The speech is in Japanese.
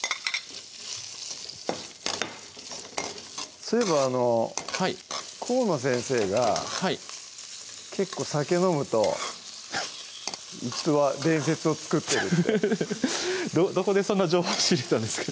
そういえばあのはい河野先生が結構酒飲むとフッ逸話伝説を作ってるってフフフどこでそんな情報を仕入れたんですか？